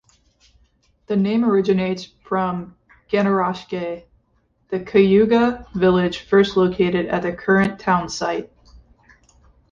The name originates from "Ganaraske", the Cayuga village first located at the current townsite.